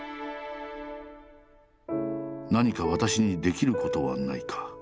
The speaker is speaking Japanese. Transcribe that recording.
「何か私にできることはないか」。